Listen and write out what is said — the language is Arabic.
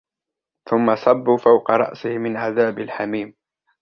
ثم صبوا فوق رأسه من عذاب الحميم